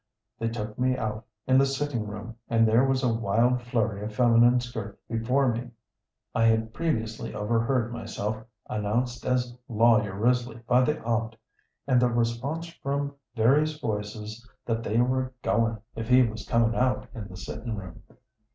They took me out in the sitting room, and there was a wild flurry of feminine skirts before me. I had previously overheard myself announced as Lawyer Risley by the aunt, and the response from various voices that they were 'goin' if he was comin' out in the sittin' room.'